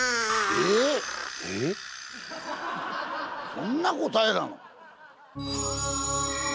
そんな答えなの？